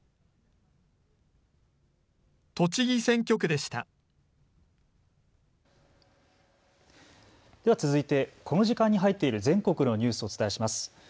では続いてこの時間に入っている全国のニュースをお伝えします。